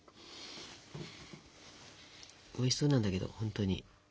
おいしそうなんだけどほんとに。